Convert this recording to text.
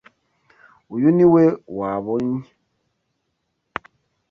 Uyu niwe wabonye?